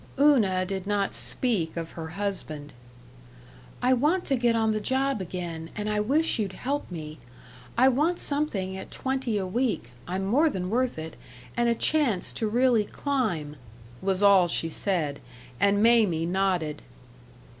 Una did not speak of her husband. "I want to get on the job again, and I wish you'd help me. I want something at twenty a week (I'm more than worth it) and a chance to really climb," was all she said, and Mamie nodded.